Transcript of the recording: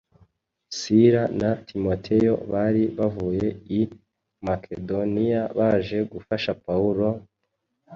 Sila na Timoteyo bari bavuye i Makedoniya baje gufasha Pawulo,